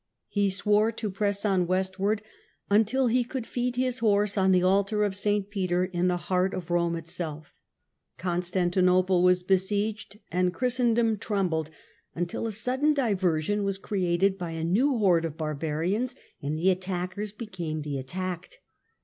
He swore to press on west ward until he could feed his horse on the altar of St. Peter in the heart of Kome itself. Constantinople was Fir.st Tmk besieged and Christendom trembled, until a sudden cJiistanti diversion was created by a new horde of barbarians and ""p^*^ the attackers became the attacked.